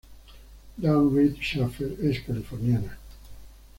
Dawn Read Schafer: Es californiana.